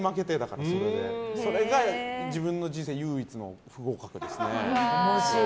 それが、自分の人生で唯一の不合格でしたね。